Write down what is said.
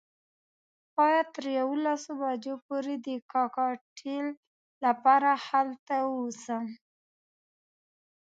باید تر یوولسو بجو پورې د کاکټیل لپاره هلته ووسم.